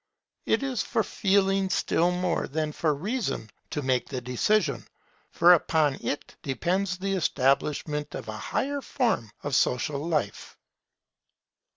It is for Feeling still more than for Reason to make the decision; for upon it depends the establishment of a higher form of social life.